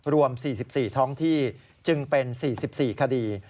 รวม๔๔ท้องที่จึงเป็น๔๔คดี